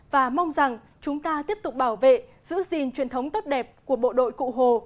và mong rằng chúng ta tiếp tục bảo vệ giữ gìn truyền thống tốt đẹp của bộ đội cụ hồ